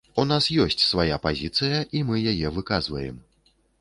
У нас ёсць свая пазіцыя і мы яе выказваем.